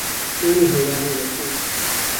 نانی هەورامی دەخۆم.